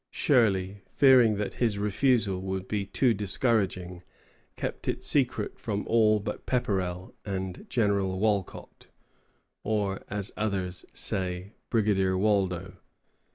Shirley, fearing that his refusal would be too discouraging, kept it secret from all but Pepperrell and General Wolcott, or, as others say, Brigadier Waldo.